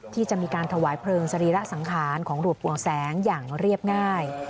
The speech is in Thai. ที่จะมีการถวายเพลิงสรีระสังขารของหลวงปู่แสงอย่างเรียบง่าย